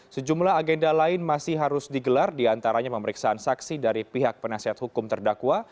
sejumlah agenda lain masih harus digelar diantaranya pemeriksaan saksi dari pihak penasihat hukum terdakwa